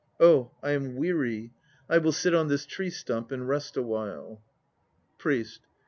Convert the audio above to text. l Oh, I am weary. I will sit on this tree stump and rest awhile. PRIEST.